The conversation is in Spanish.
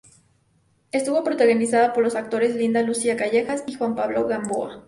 Estuvo protagonizada por los actores Linda Lucía Callejas y Juan Pablo Gamboa.